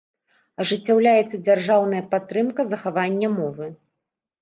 Ажыццяўляецца дзяржаўная падтрымка захавання мовы.